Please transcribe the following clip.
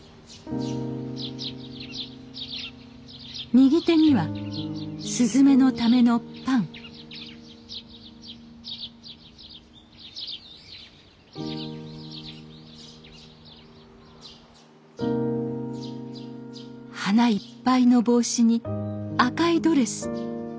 右手にはすずめのためのパン花いっぱいの帽子に赤いドレス。